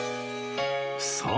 そう！